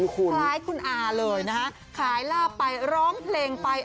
คล้ายคุณอาเลยนะฮะขายลาบไปร้องเพลงไป